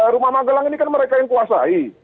rumah magelang ini kan mereka yang kuasai